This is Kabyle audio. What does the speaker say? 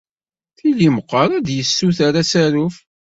Tili meqqar ad d-yessuter asaruf.